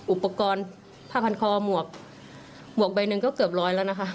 อุปกรณ์ผ้าพันคอหมวกหมวกใบหนึ่งก็เกือบร้อยแล้วนะคะ